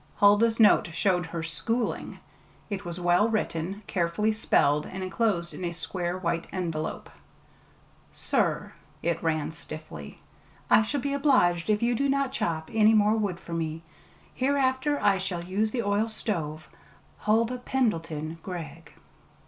Huldah's note showed her "schooling." It was well written, carefully spelled, and enclosed in a square white envelope. Sir [it ran stiffly]: I shall be obliged if you do not chop any more wood for me. Hereafter I shall use the oil stove. HULDAH PENDLETON GREGG.